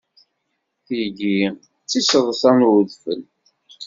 Tigi d tisedṣa n udfel.